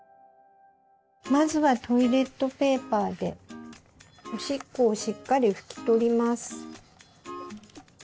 まずはトイレットペーパーでおしっこをしっかり拭き取ります。